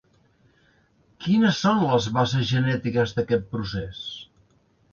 Quines són les bases genètiques d’aquest procés?